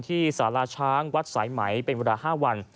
สาราช้างวัดสายไหมเป็นเวลา๕วัน